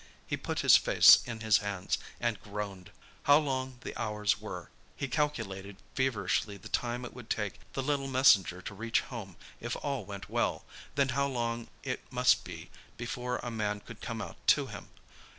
He put his face in his hands and groaned. How long the hours were! He calculated feverishly the time it would take the little messenger to reach home if all went well; then how long it must be before a man could come out to him.